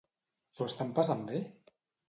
S'ho estan passant bé?